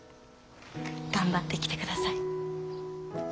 頑張ってきてください。